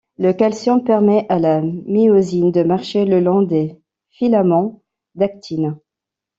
Le calcium permet à la myosine de marcher le long des filaments d’actine.